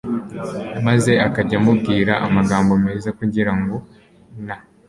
maze akajya amubwira amagambo meza kugira ngo na